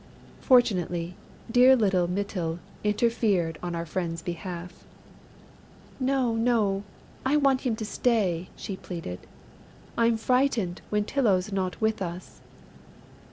Fortunately, dear little Mytyl interfered on our friend's behalf: "No, no; I want him to stay," she pleaded. "I'm frightened when Tylô's not with us."